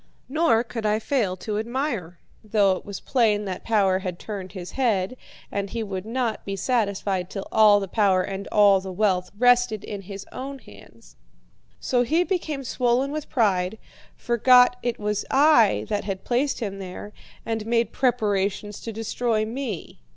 Nor could I fail to admire, though it was plain that power had turned his head, and he would not be satisfied till all the power and all the wealth rested in his own hands. So he became swollen with pride, forgot it was I that had placed him there, and made preparations to destroy me.